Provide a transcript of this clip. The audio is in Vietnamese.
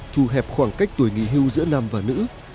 thu hẹp khoảng cách tuổi nghỉ hưu giữa nam và nữ